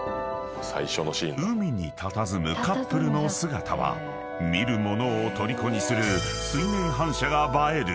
［海にたたずむカップルの姿は見る者をとりこにする水面反射が映える美しい景色］